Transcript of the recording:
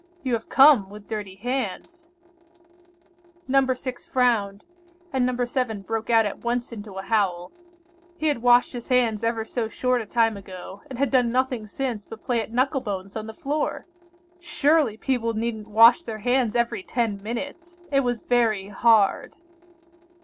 You have come with dirty hands." No. 6 frowned, and No. 7 broke out at once into a howl; he had washed his hands ever so short a time ago, and had done nothing since but play at knuckle bones on the floor! Surely people needn't wash their hands every ten minutes! It was very hard!